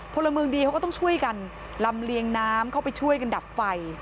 พลเมืองดีเขาก็ต้องช่วยกันลำเลียงน้ำเข้าไปช่วยกันดับไฟ